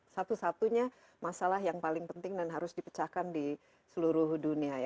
satu satunya masalah yang paling penting dan harus dipecahkan di seluruh dunia